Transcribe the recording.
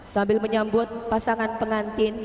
sambil menyambut pasangan pengantin